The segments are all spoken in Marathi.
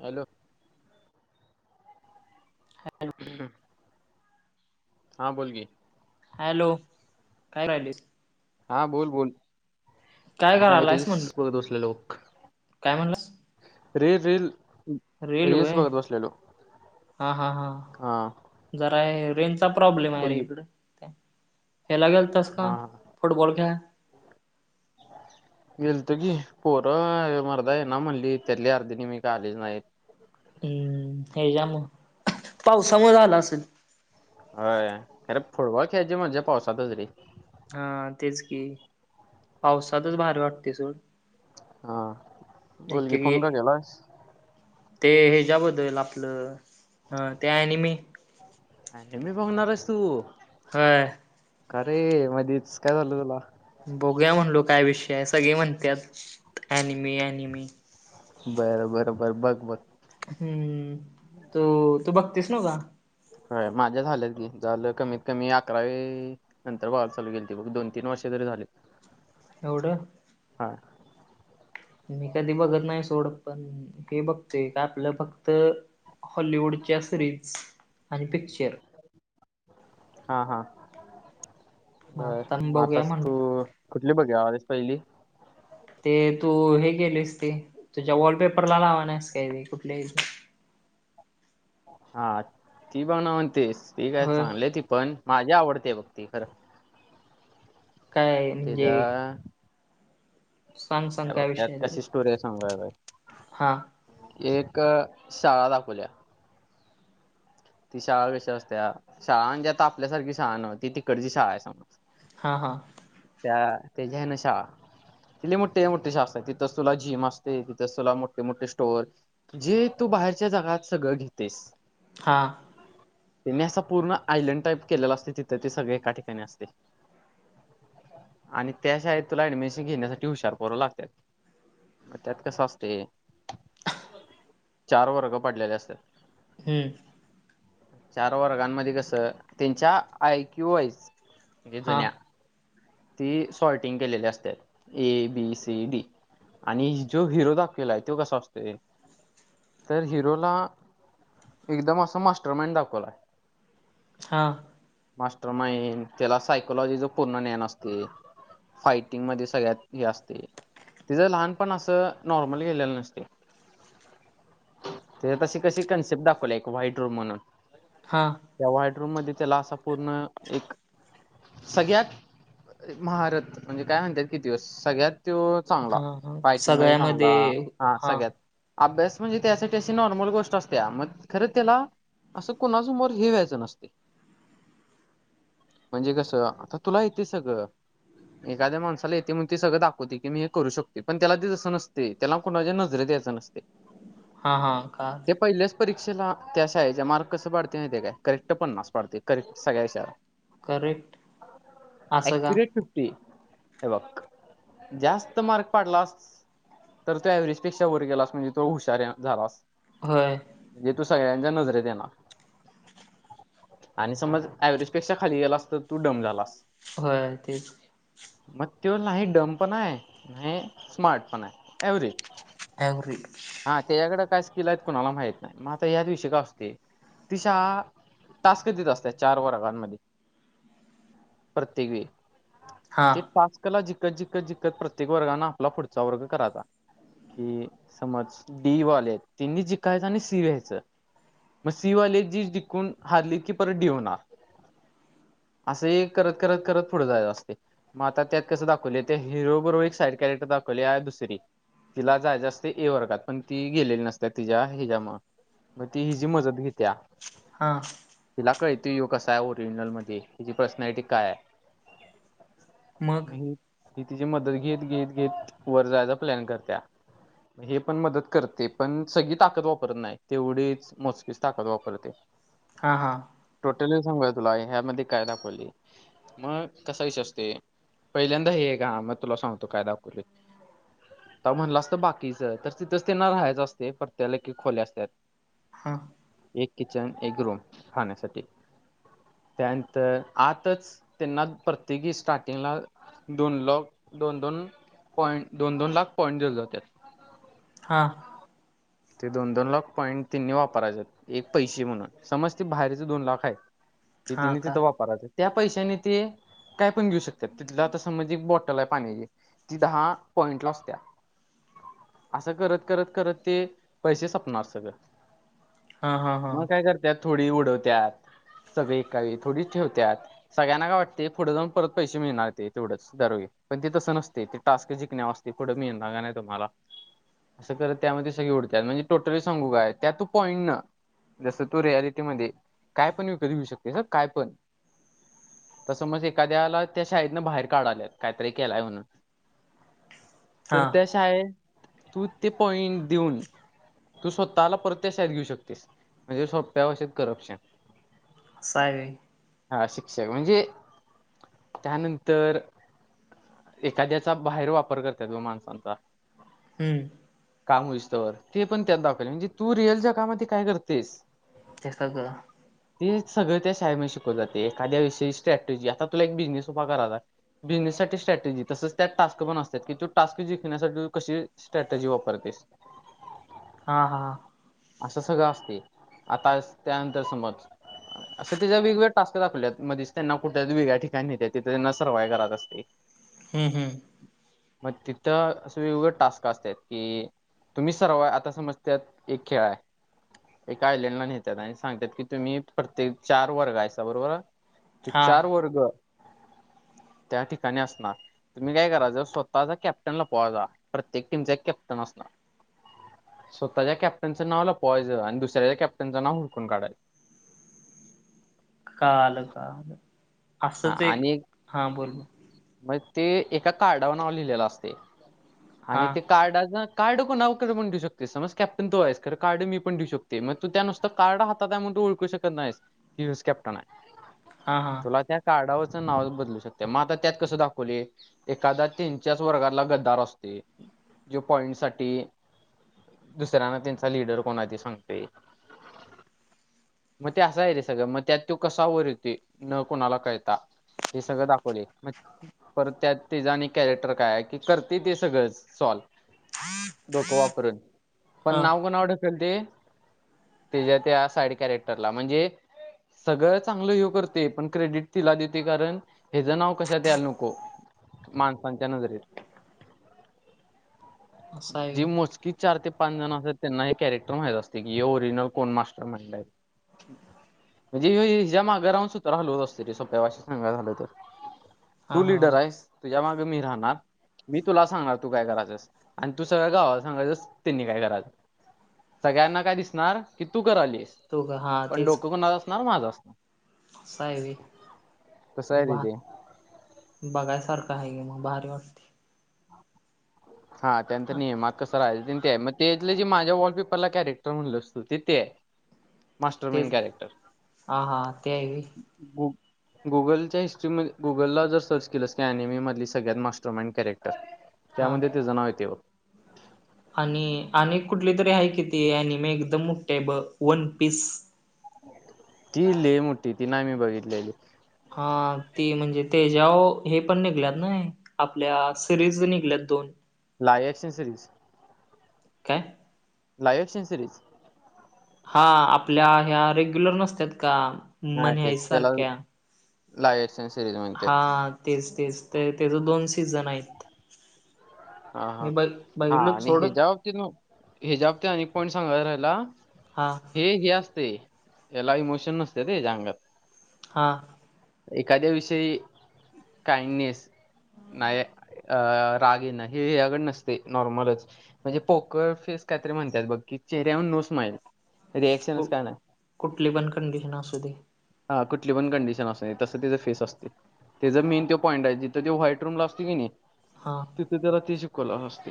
हॅलो? हॅल [unintelligible] हा बोल की. हॅलो काय राहिलीस? हा बोल बोल. काय नाही करायलायस रिल्स म्हणल बघत बसलेलो बघ. काय म्हणलास? रे रील रेल रिल्स व्हय बघत बसलेलो. हा हा हा. हां जरा रेंज चा प्रॉब्लेम आहे रे इकड! त्याला गेलतास का हा हा फुटबॉल खेळ गेलतो की, पोर मरदा येणारं म्हनली त्यातली अर्धी निम्मी काय आलीच नायत. हम्म. हेच्यामुल, पावसामुळे झाल असल. व्हय खर फुटबॉल खेळची मज्या पावसातच रे. हा तेच की पावसातच भार वाटते सूड हा. बोल की. फोन का एक केलास? ते हेच्याबद्दल आपलं ह ते एनिमी. [unintelligible] बघणारेस तू? होय. अरे मध्येच काय झालं तुला? बघुया म्हणलो काय विषय आहे सगळे म्हणतात ऑनिमि, ऑनिमी बर बर बर बघ बघ. हम्म. तो तू बघतीस न का? होय माझ्या झाल्यात की झालं कमीत कमी अकरावी. नंतर [unintelligible] चालू केली बघ दोन, तीन वर्षे तरी झाले. एवढं. हा मी कधी बघत नाही सोड पण हे बघतोय काय आपलं फक्त हॉलिवूडच्या सिरीज आणि पिक्चर. हा हा मग बर. आता मग बघूया आताच तू म्हणलं कुठली बघायला आहेस पहिली? ते तू हे गेलेस ते. तुझ्या वॉलपेपरला लावानास काय कुठल्या हा. ती बनवतेस ती काय होय चांगलेआहे ती पण. माझी आवडते बघ ती खरं काय म्हणजे? तिचा सांग सांग हे बघ काय विषय त्यात आहे कशी स्टोरी आहे सांगू काय? बघ. हा एक शाळा दाखवल्या. ती शाळा कशी असत्या? शाळा म्हणजे आता आपल्यासारखी शाळा नव्ह ती तिकडची शाळा आहे समज. हां हां. त्या तेजे आहे ना शाळा. ति मोठीच्या मोठी शाळा असत्या. तिथंच तुला जिम असते तिथंच तुला मोठे, मोठे स्टोअर जे तू बाहेरच्या जगात सगळं घेतेस. हां. त्यांनी असा पूर्ण आयलंड टाईप केलेला असते, तिथं ते सगळे एका ठिकाणी असते. आणि त्या शाळेत तुला ऍडमेशन घेण्यासाठी हुशार पोरं लागत्यात. त्यात कसं असतय चार वर्ग पडलेली असत्यात. हम्म. चार वर्गांमध्ये कस त्यांच्या आयक्यू वाईज म्हणजे हा जुन्या ती सॉरटिंग केलेली असते ए, बी, सी, डी, आणि जो हिरो दाखिवलाय तो कसा असतोय? तर हिरोला एकदम असं मास्टर माइंड दाखवलाय. हा. मास्टर माइंड त्याला सायकोलॉजीच पूर्ण ज्ञान असतय. फाईटिंग मध्ये सगळ्यात हे असतय तेज लहानपण असं नॉर्मल गेलेलं नसतय. ते तशी कशी कन्सेप्ट दाखवल्या एक व्हाईट रूम म्हणून हा. त्या व्हाईट रूम मध्ये त्याला असा पूर्ण एक सगळ्यात महारथ म्हणजे काय म्हणत्यात कि त्यो सगळ्यात चांगला हा फायटिंग मध्ये चांगला, सगळ्यामध्ये हा सगळ्यात अभ्यास म्हणजे त्यासाठी अशी नॉर्मल गोष्ट असत्या म खर तेला असं कोणासमोर हे व्हायचं नसतय म्हणजे कस आता तुला येतय सगळ एखाद्या माणसाला येतय म्हणून ते सगळं दाखवतय, की मी करू शकतोय पण तेला ते तस नसतय तेला कुणाच्या नजरेत यायचं नसते. हा हा. कळाल. ते पहिल्याच परीक्षेला त्या [unintelligible] मार्क कसं पाडतय माहितय काय करेक्ट पन्नास पडतंय करेक्ट सगळ्या विषयाला. करेक्ट असं का ऑक्युरेट फीप पटी, हे बघ जास्त मार्क पाडलास तर तो ऍव्हेज पेक्षा वर गेलास म्हणजे तो हुशार य झालास होय. म्हणजे तू सगळ्यांच्या नजरेत येनार. आणि समज ऍव्हरेज पेक्षा खाली गेलास तर तू डम झालास. होय तेच की मग तो नाही डम पण हाय, नाही स्मार्ट पण हाय एव्हरेज एवरेज हा तेजाकड काय स्कील हाय कुणाला माहित नसतंय. मग आता यात विषय काय असतोय शाळा टास्क देत असत्या चार वर्गांमध्ये. प्रत्येक वेळी. हा ते टास्कला जिकत-जिकत-जिकत प्रत्येक वर्गाने आपला पुढचा वर्ग करायचा. की समज डीवाले आहेत तिनी जिकायचं आणि सी व्याच मग सि वाले जी जिकून हारली की परत डी हुंणार. अस हे करत-करत-करत पुढे जायच असतय. मग आता त्यात कसं दाखवले ते हिरोबरोबर एक साईड कॅरेक्टर दाखवलिया दुसरी तिला जायच आसतय ते ए वर्गात पण ती गेलेली नसत्या तिच्या हिच्यामुळ मग ती हिची मदत घित्या हा. तिला कळत यो कसा आहे ओरिजिनल मध्ये हेजी पर्सनॅलिटी काय आय. मग ही तिजी मदत घेत, घेत, घेत वर जायचा प्लॅन करत्या. हे पण मदत करते. पण सगळी ताकद वापरत नाही. तेवढीच मोजकीच ताकद वापरते. हा, हा. टोटली सांगू काय तुला. ह्यामध्ये, काय दाखवलीय? मग, कसा विषय असतेय. पहिल्यांदा हे का मग तुला सांगतो. काय दाखवले. त म्हणलं असतं बाकीच, तर तिथंच त्यांना राहायचं असतय. प्रत्येकाला एक- एक खोल्या असत्यात. हा. एक किचन, एक रूम, खाण्यासाठी. त्यानंतर, आतच त्यांना प्रत्येकी स्टार्टिंगला दोन लॉक. दोन- दोन पॉइंट, दोन- दोन लाख पॉइंट देऊन जात्यात. हा. ते दोन - दोन लाख पॉईंट त्यांनी वापरायचेत, एक पैसे म्हणून. समज ते बाहेरचे दोन लॉक हायत ति हा तिने का तिथं वापराच. त्या पैशाने ते, काय पण घेऊ शकतेत. तिथलं आता समज एक बॉ टलय पाण्याची. ती दहा पॉईंटला असत्या. असं करत, करत, करत ते पैसे सपणार सगळं. हा हा हा मग काय करत्यात, थोडी उडवत्यात सगळे, एका वेळी थोडीच ठेवत्यात. सगळ्यांना काय वाटते. पुढे जाऊन परत पैसे मिळणार ते. तेवढंच, दरवेळी. पण ते तसं नसते. टास्क जिकण्यावर असतय. पुढं मिळणार का नाही, तुम्हाला? असं करत त्यामध्ये सगळी उड त्यात म्हणजे टोटली सांगू काय? त्यात तू पॉईंन जसं, तू रियालिटी मध्ये. काय पण विकत घेऊ शकतेस. काय पण. तसं मग, एखाद्याला त्या शाळेतन बाहेर काढाल्यात. काहीतरी केलाय म्हणून. हा तर त्या शाळेत, तू ते पॉइंट देऊन तू स्वतःला परत, त्या शाळेेत घेऊ शकतेस. म्हणजे, सोप्या भाषेत करप्शन. साये. हा शिक्षक. म्हणजे, त्यानंतर एखाद्याचा बाहेर वापर करत्यात, [unintelligible] माणसांचा. हम्म. काम होईस्तवर. ते पण त्यात दाखवल. म्हणजे तू रिअलच्या कामात काय, करतेस? ते सगळं. ते सगळं त्या शाळेमध्ये शिकवल जाते. एखाद्या विषयी स्ट्रॅटेजी. आता तुला एक बिझनेस उभा कराला बिझनेससाठी स्ट्रॅटेजी. तसच त्यात टास्क पण असत्यात. की तो टास्क जिंण्यासाठी कशी स्ट्रॅटेजी वापरतेस. हा, हा. असं सगळं असतंय. आता त्यानंतर, समज असं त्याच्या वेगवेगळ्या टास्क दाखवल्यात. मध्येच त्यांना कुठ्या वेगळ्या ठिकाणीे नेत्यात. तिथे त्यांना सर्वाइ करत असतय. हम, हम. मग तिथं, असं वेगवेगळे टास्क असत्यात. की, तुम्ही सर्व, आता समज, त्यात एक खेळाय एका आयलंडला नेेत्यात. आणि सांगत्यात की, तुम्ही प्रत्येक चार वर्ग आहेसा, बरोबर. ते हा चार वर्ग, त्या ठिकाणी असणार. तुम्ही काय करायचं. स्वतःचा कॅप्टन लपवायचा. प्रत्येक टीमचा एक कॅप्टन असणार. स्वतःच्या कॅप्टनच नाव लपवायच. आणि दुसऱ्या कॅप्टनचं नाव हुडकून काढायचं. काळाल, काळाल. हा. आणि बोल मग ते एका, कार्डावर नाव लिहिलेलं असतय. हा आणि ते कार्डच कार्ड कोणाकड पण देऊ शकतेस समज कॅप्टन तू आहेस तर कार्ड मी पण देऊ शकतो. ते मग तू त्या नुसत कार्ड हात आहे म्हण ओळखू शकत नाहीस कीस कॅप्टन आहे. हां हां. तुला त्या कार्डावरचं नाव बदलू शकते मग आता त्यात कसं दाखवले. एखादा्. त्यानच्याच वर्गाला गद्दार असते जो पॉइंट साठी. दुसऱ्यांना त्यांचा लिडर कोण आहे ते सांगतेय. मग ते असा आहे रे सगळं मग त्यात तो कसा वर येतोय. कुणाला कळता हे सगळं दाखवले. पर त्यात त्याचा आणि कॅरेक्टर काय आहे की करते ते सगळंच सॉल्व. डोकं वापरून पण हा नाव कोणावर ढकलते. त्याच्या त्या साईड कॅरेक्टरला म्हणजे सगळं चांगलं ह्यो करतोय पण. क्रेडिट तिला देते कारण हचं नाव कशातात यायला नको माणसांच्या नजरेत. असं आहे जी व्हय मोजकी चार ते पाच जण असतात त्यांना हे कॅरेक्टर माहीत असते की हे ओरिजिनल कोण मास्टर माइंड आहे. म्हणजे हि ज्या मागे राहून सुत्र हलवात असती रे सोप्या भाषेत सांगायाचं झाल तर. हा तू हा लिडर आहेस तुझ्या मागे मी राहणार मी तुला सांगणार तू काय करायचंस. आणि तू सगळं गावाला सांगायचस त्यांनी काय करायच. सगळ्यांना काय दिसणार कि तू करालीस तो का हा पण डोकं कुणाच असणार माझं असणार. असा आहे तसं आहे होय तिथे [unintelligible] बघायसारखं आहे की मग भारी वाटते. हा त्यानं त ने मग. कसं राहिल ते आहे मग तेथ जे माझ्या वॉलपेपरला कॅरेक्टर म्हणलंस तू ते आहे. मास्टर माईंड तेच कॅरेक्टर. हा हा ते आहे व्हय गुगलच्या हिस्ट्री मधे गुगलला जर सर्च केलंस की एनिमी सगळ्यात मास्टरमाइंड कॅरेक्टर. हा त्यामध्ये त्याच नाव येतंय बघ. आणि आणि कुठली तरी आहे किती अनि म एकदम मोठे बग वन पीस. ती लय मोठी ती नाही मी बघितलेली. हा ते म्हणजे तेजाओर हे पण निघल्यात ना. आपल्या सिरीज निघल्यात दोन. ला एक्सेसरीज. काय? लाईव्ह [unintelligible] हा आपल्या ह्या रेग्युलर नसतात का मन्याय सारख्या. लाईटस सिरीज म्हणते. हा तेच तेच तर त्याच दोन सीझन आहेत. हा हा मी बघ हा बघितलो आणि सोड ह्याच्य बाबतीत ह्याच्या बाबतीत अनेक पॉईंट सांगायचा राहिला. हा हे हे असतय याला इमोशन नसत्याते हेच्या अंगात. हा. एखाद्या विषयी काइंडनेस. नाही अ राग येन हे याकड नसते नॉर्मलच. म्हणजे पोकर फेस काहीतरी म्हणतात बघ की चेहऱ्यावरून नो स्माइल कु रिएक्शनच काही नाही. कुठली पण कंडिशन असू दे. हा कुठली पण कंडिशन असुदे तसं तिच फेस असतोय. त्याचां मेन तो पॉईंट आहे तिथ ते व्हाईट रूमला असतोय की नई. हा. तिथ त्याला ती शिकवला असती.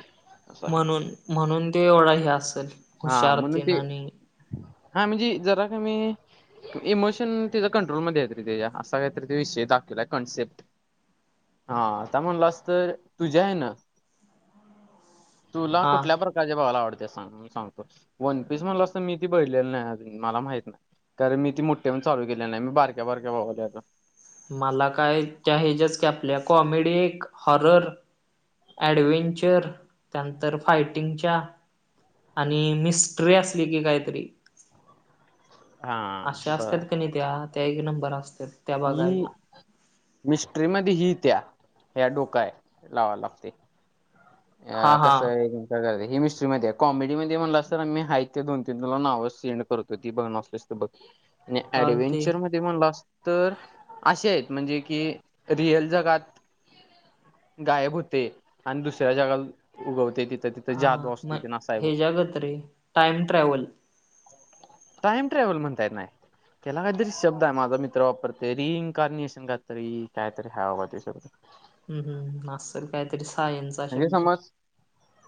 म्हणून म्हणून ते एवढा हे असेल हा म्हणून हुशारतेन ते आणि हा म्हणजे जरा कमी इमोश शन तीजा कंट्रोलमध्येयेत रे तेजा असा काहीतर तो विषय दाखवलाय कन्सेप्ट हा आता म्हणला अस तुझ्या हेन तुला हा कुठल्या प्र कारचा बघायला आवडत्या सांग मी सांगतो वनपीस म्हणलास तर मी ती बघितलेल नाही अजून मला माहित नाही. तर मी ती मोठीय म्हणून चालू केलेली नाय मी बारक्या बारक्या बघालोय आता मला काय त्या हेज्याचं की आपल्या कॉमेडी एक हॉरर ऍडवेंचर त्यानंतर फायटिंगच्या आणि मिस्ट्री असली की काहीतरी हा अशा बर असत्यात कणी त्या त्या एक नंबर असत्यात. हि मिस्ट्री मधी ही येत्या त्या डोकाय लावाय लागतय. अ हा हा कसय अगग हि मीस्ट्रीमध्ये आहे कॉमेडीमध्ये म्हटलास तर आम्ही हाय ते दोन तीन तुला नाव सेंड करतो ती बघणार असलास तर तर बघ मी चालते ऍडवेंचर म ते म्हणलास तर अशे आहेत म्हणजे की रिअल जगात गायब हुतंय आणि दुसऱ्या जगाल उगवतय तिथ हा म हेज्यागत रे टाइम ट्रॅव्हल टाइम ट्रॅव्हल म्हणता येत नाय त्याला काहीतरी शब्दय माझा मित्र वापरतय रिइन्कार्निशन काहीतरी कायतरी हाय बाबा ते [inaudible] हम्म हम् असल कायतरी सायनचा म्हणजे शब्द समज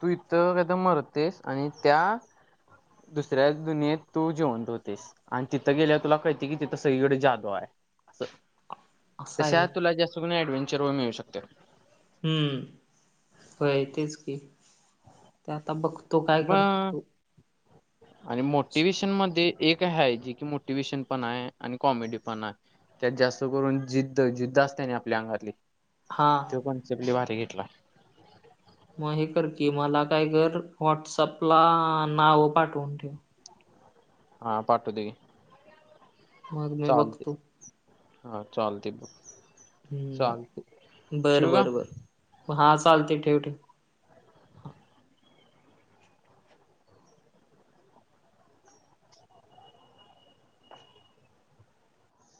तू इथं कायतर मरतयस आणि त्या दुसऱ्या दुनियेत तू जिवंत होतयस. आण तिथं गेल्यावर तुला कळतय की तिथं सगळीकडे जादूय. असा आहे तशा व्हय तुला जास्त करून ऍडव्हेंचरवर मिळू शकत्या. हम्म होय तेच की आता बघतो काय मग करतो. आणि मोटिवे्शन मध्ये एक हाय जे कि मोटिवेशन पण हाय आणि कॉमेडी पण हाय. त्यात जास्त करून जिद्द जिद्द असतिया नी आपल्या अंगातली हा त्यो कन्सेप्ट लय भारी घेतलाय. मग हे कर की मला काय कर व्हॉट्सअपला नाव पाठवून ठेव. हा पाठवतो कि मग मी चालतय. बघतो हा चालतय ब हम्म बरं बरं बर हा चालतय ठेव ठेव.